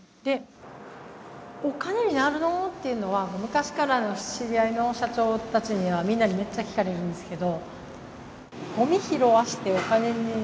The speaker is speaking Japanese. お金になるの？っていうのは昔からの知り合いの社長たちにはみんなにめっちゃ聞かれるんですけど。